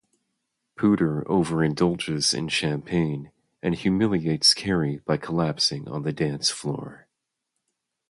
Pooter overindulges in champagne and humiliates Carrie by collapsing on the dance floor.